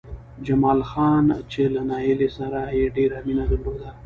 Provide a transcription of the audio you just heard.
جمال خان چې له نايلې سره يې ډېره مينه درلوده